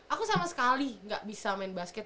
aku sama sekali gak bisa main basket